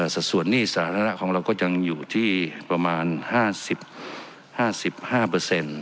สัดส่วนนี้สาธารณะของเราก็ยังอยู่ที่ประมาณห้าสิบห้าสิบห้าเปอร์เซ็นต์